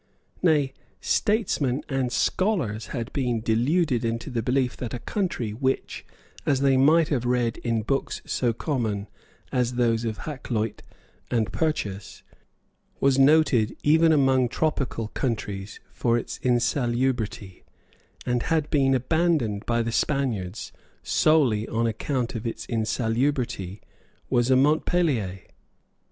Nay, statesmen and scholars had been deluded into the belief that a country which, as they might have read in books so common as those of Hakluyt and Purchas, was noted even among tropical countries for its insalubrity, and had been abandoned by the Spaniards solely on account of its insalubrity, was a Montpelier.